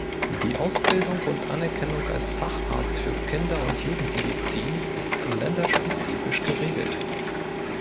Die Ausbildung und Anerkennung als Facharzt für Kinder- und Jugendmedizin ist länderspezifisch geregelt.